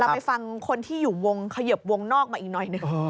ไปฟังคนที่อยู่วงเขยิบวงนอกมาอีกหน่อยหนึ่ง